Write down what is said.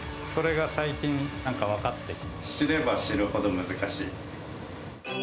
それが最近なんか分かって、知れば知るほど難しい。